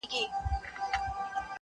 د زلفو بڼ كي د دنيا خاوند دی.